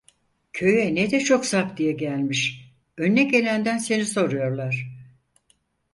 Köye ne de çok zaptiye gelmiş, önüne gelenden seni soruyorlar.